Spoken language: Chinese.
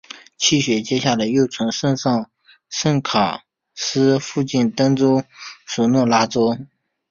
气旋接下来又从圣卡洛斯附近登陆索诺拉州。